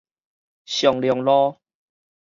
松隆路